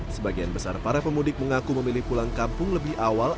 sebagian besar para pemudik mengaku memilih pulang kampung lebih awal